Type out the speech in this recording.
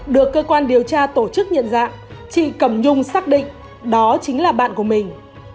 được cơ quan điều tra tổ chức nhận dạng chị cẩm nhung xác định đó chính là bạn của mình